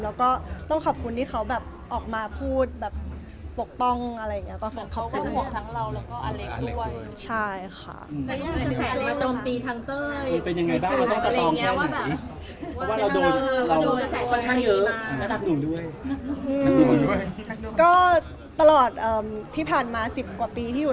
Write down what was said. แล้วก็ต้องขอบคุณที่เขาแบบออกมาพูดแบบปกป้องอะไรอย่างนี้